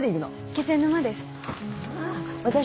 気仙沼です。